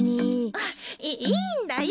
あっいいいんだよ。